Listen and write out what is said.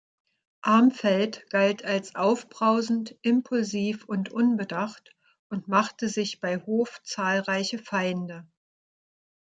Armfelt galt als aufbrausend, impulsiv und unbedacht und machte sich bei Hof zahlreiche Feinde.